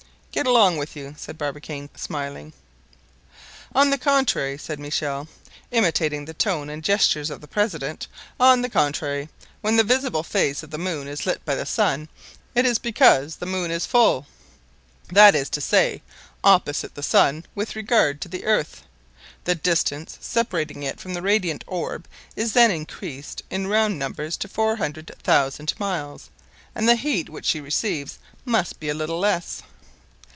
"Get along with you," said Barbicane, smiling. "On the contrary," said Michel, imitating the tone and gestures of the president, "on the contrary, when the visible face of the moon is lit by the sun, it is because the moon is full, that is to say, opposite the sun with regard to the earth. The distance separating it from the radiant orb is then increased in round numbers to 400,000 miles, and the heat which she receives must be a little less."